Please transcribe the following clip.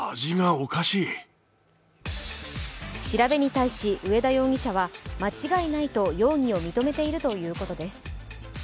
調べに対し上田容疑者は、間違いないと容疑を認めているということです。